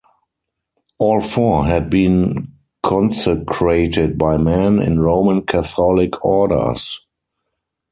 All four had been consecrated by men in Roman Catholic Orders.